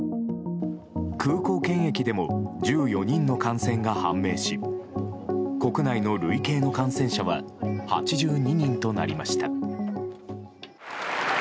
空港検疫でも１４人の感染が判明し国内の累計の感染者は８２人となりました。